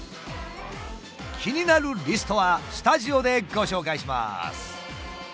気になるリストはスタジオでご紹介します！